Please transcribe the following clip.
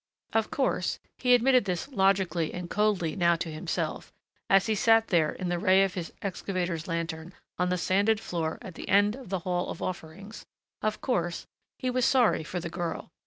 Of course he admitted this logically and coldly now to himself, as he sat there in the ray of his excavator's lantern, on the sanded floor at the end of the Hall of Offerings of course, he was sorry for the girl.